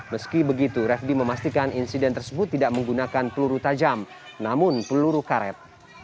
meski begitu refdy memastikan insiden tersebut tidak menggunakan peluru tajam namun peluru karet